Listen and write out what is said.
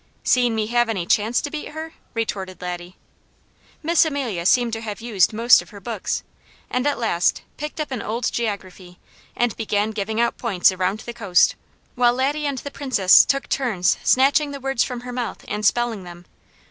"Seen me have any chance to beat her?" retorted Laddie. Miss Amelia seemed to have used most of her books, and at last picked up an old geography and began giving out points around the coast, while Laddie and the Princess took turns snatching the words from her mouth and spelling them.